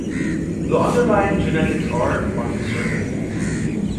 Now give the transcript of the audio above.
The underlying genetics are uncertain.